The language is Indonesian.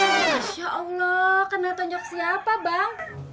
masya allah kena tonjok siapa bang